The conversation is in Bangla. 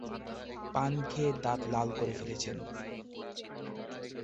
পান খেয়ে দাঁত লাল করে ফেলেছেন।